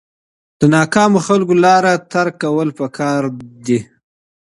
د ناکامو خلکو لارې ترک کول پکار دي.